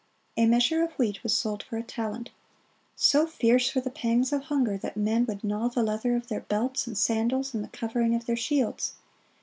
A measure of wheat was sold for a talent. So fierce were the pangs of hunger that men would gnaw the leather of their belts and sandals and the covering of their shields.